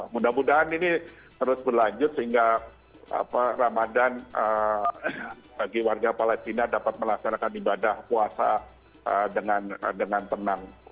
mudah mudahan ini terus berlanjut sehingga ramadan bagi warga palestina dapat melaksanakan ibadah puasa dengan tenang